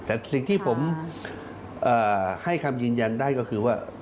แต่สิ่งที่ผมให้คำยืนยันได้ก็คือว่า